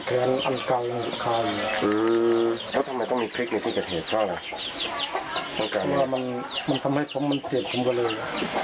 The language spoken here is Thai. เพราะทำไมต้องมีคลิกมีสิ่งเกิดเหตุภาพล่ะต้องการมันมันทำให้ผมมันเจ็บผมกว่าเลย